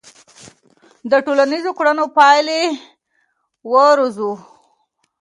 د ټولنیزو کړنو پایلې وارزوه.